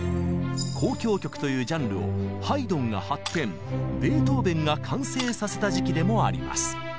「交響曲」というジャンルをハイドンが発展ベートーベンが完成させた時期でもあります。